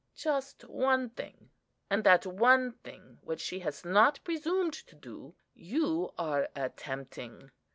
just one thing; and that one thing which she has not presumed to do, you are attempting.